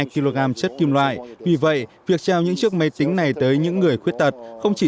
hai mươi hai kg chất kim loại vì vậy việc trao những chiếc máy tính này tới những người khuyết tật không chỉ